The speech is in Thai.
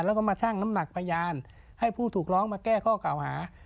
แล้วก็มาชั่งน้ำหนักพยานให้ผู้ถูกร้องมาแก้ข้อกล่าวหา